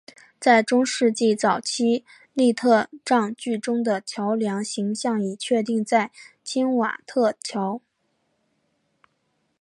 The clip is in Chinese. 在中世纪早期粟特葬具中的桥梁形象已确定为钦瓦特桥。